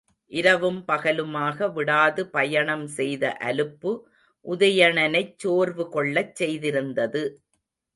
இரவும் பகலுமாக விடாது பயணம் செய்த அலுப்பு உதயணனைச் சோர்வு கொள்ளச் செய்திருந்தது.